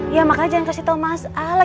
ya makanya jangan kasih tau masalah